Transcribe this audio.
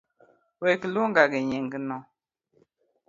Wek luonga gi nyingno